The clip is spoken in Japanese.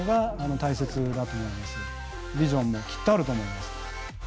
ビジョンもきっとあると思いますので。